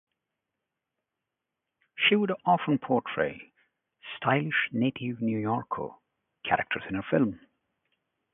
She would often portray "stylish native New Yorker" characters in her films.